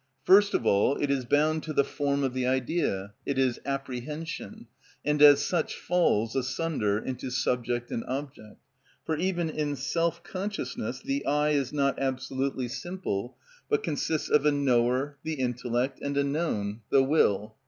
First of all, it is bound to the form of the idea, it is apprehension, and as such falls asunder into subject and object. For even in self consciousness the I is not absolutely simple, but consists of a knower, the intellect, and a known, the will.